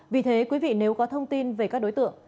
vì thế quý vị nếu có thông tin về các đối tượng